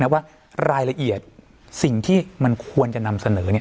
ว่ารายละเอียดสิ่งที่มันควรจะนำเสนอ